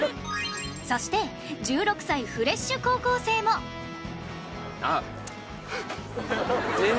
そして１６歳フレッシュ高校生もあっ。